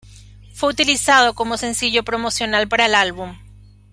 Fue utilizado como sencillo promocional para el álbum.